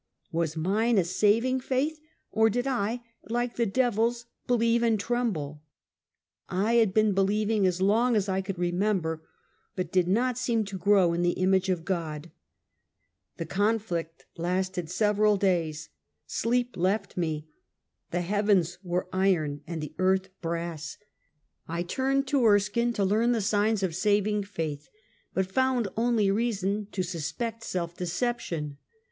Was mine a saving faith, or did I, like the devils, believe and tremble? I had been be lieving as long as I could remember, but did not seem to grow in the image of God. The conflict lasted several days. Sleep left me. The heavens were iron and the earth brass. I turned to 36 Half a CENTUfiY. Erskine to learn the signs of saving faith, but found only reason to suspect self deception.